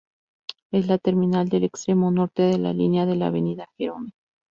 Es la terminal del extremo norte de la línea de la Avenida Jerome.